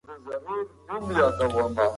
موږ باید د علم د پرمختګ لپاره هڅې وکړو.